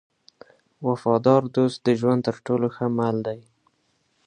وفادار دوست د ژوند تر ټولو ښه مل دی.